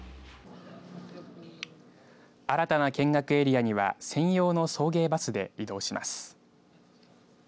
新たな見学エリアには専用の送迎バスで移動します。